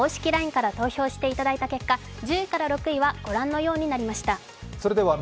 ＬＩＮＥから投票していただいた結果、１０位から６位は御覧のようになりました。